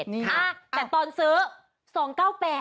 นี่ค่ะแต่ตอนซื้อ๒๙๘